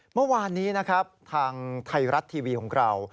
เมื่อวานนี้นะครับทางไทยรัฐทีวีของเรา